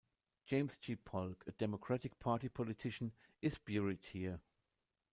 James G. Polk, a Democratic Party politician, is buried here.